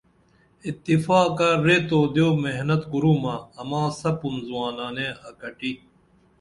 اتفاقہ ریت دِیو محنت کُرُمہ اماں سپُن زُوانانے اکٹی